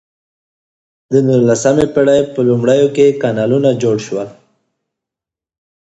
د نولسمې پیړۍ په لومړیو کې کانالونه جوړ شول.